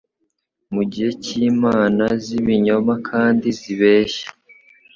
mugihe cyimana zibinyoma kandi zibeshya